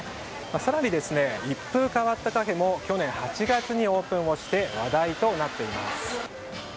更に一風変わったカフェも去年８月にオープンして話題となっています。